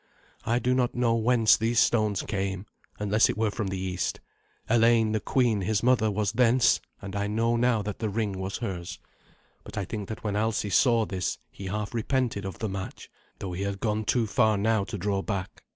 I do not know whence these stones came, unless it were from the East. Eleyn the queen, his mother, was thence, and I know now that the ring was hers. But I think that when Alsi saw this he half repented of the match, though he had gone too far now to draw back.